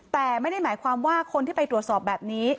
แต่ไม่ได้หมายความว่าคนที่ไปตรวจสอบแบบนี้